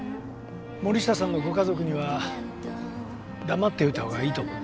森下さんのご家族には黙っておいた方がいいと思うんだ。